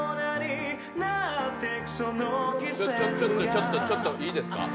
ちょっと、ちょっといいですか？